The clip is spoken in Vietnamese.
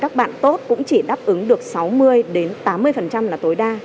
các bạn tốt cũng chỉ đáp ứng được sáu mươi tám mươi là tối đa